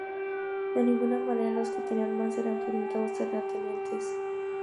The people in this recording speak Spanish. De ninguna manera los que tenían más eran potentados terratenientes.